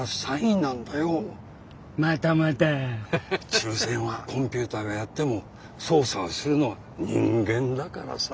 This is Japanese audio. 抽選はコンピューターがやっても操作をするのは人間だからさ。